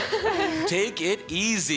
Ｔａｋｅｉｔｅａｓｙ！